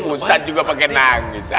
ustadz juga pakai nangis